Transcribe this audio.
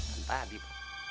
kan tadi pak